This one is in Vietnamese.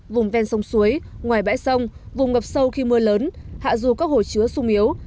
vùng ven sông suối ngoài bãi sông vùng ngập sâu khi mưa lớn hạ du các hồ chứa sung yếu